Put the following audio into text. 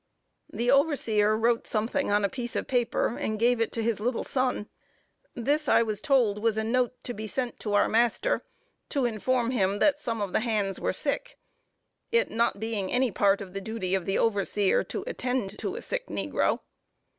The overseer wrote something on a piece of paper, and gave it to his little son. This I was told was a note to be sent to our master, to inform him that some of the hands were sick it not being any part of the duty of the overseer to attend to a sick negro.